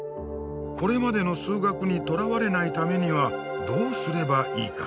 これまでの数学にとらわれないためにはどうすればいいか。